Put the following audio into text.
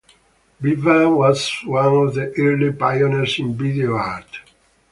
Viva was one of the early pioneers in Video art.